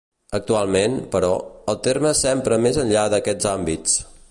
Actualment, però, el terme s'empra més enllà d'aquests àmbits.